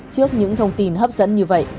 trước những thông tin hấp dẫn như vậy